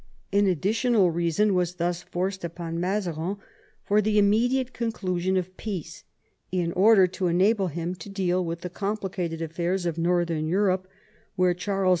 An additional reason was thus forced upon Mazarin for the immediate conclusion of peace, in order to enable him to deal with the com plicated afiFairs of Northern Europe, where Charles X.